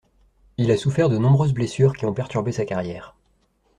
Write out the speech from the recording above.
Il a souffert de nombreuses blessures qui ont perturbé sa carrière.